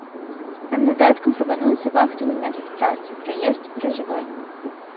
Кандыдаткам прапануецца вахтавы метад працы, праезд і пражыванне.